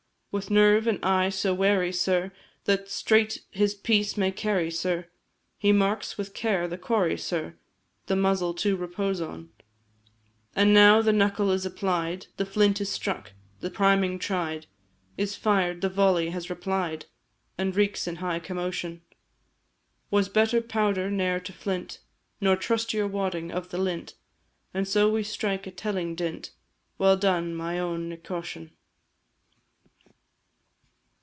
With nerve and eye so wary, sir, That straight his piece may carry, sir, He marks with care the quarry, sir, The muzzle to repose on; And now, the knuckle is applied, The flint is struck, the priming tried, Is fired, the volley has replied, And reeks in high commotion; Was better powder ne'er to flint, Nor trustier wadding of the lint And so we strike a telling dint, Well done, my own Nic Coisean!